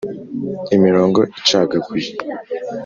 imirongo icagaguye